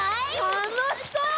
たのしそう！